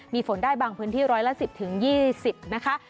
มีฝนได้บางพื้นที่๑๑๐๒๐นะคะ